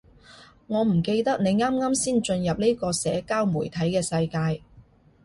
我唔記得你啱啱先進入呢個社交媒體嘅世界